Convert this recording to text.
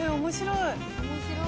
面白い。